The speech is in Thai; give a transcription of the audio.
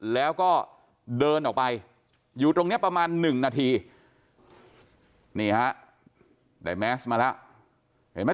แล้วก็เดินออกไปอยู่ตรงนี้ประมาณหนึ่งนาทีนี่ฮะได้แมสมาแล้วเห็นไหม